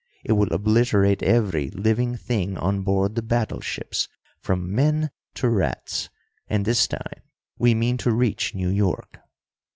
It will obliterate every living thing on board the battleships, from men to rats, and this time we mean to reach New York.